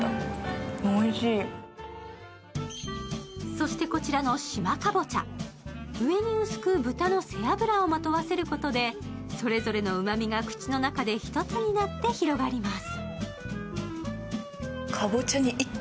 そして、こちらの島かぼちゃ、上に薄く豚肉の背脂をまとわせることで、それぞれのうまみが口の中で一つになって広がります。